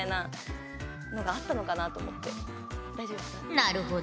なるほど。